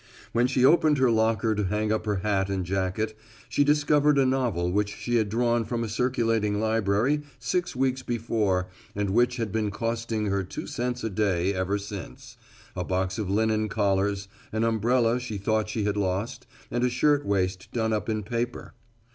When she opened her locker to hang up her hat and jacket she discovered a novel which she had drawn from a circulating library six weeks before and which had been costing her two cents a day ever since, a box of linen collars, an umbrella she thought she had lost, and a shirt waist done up in paper.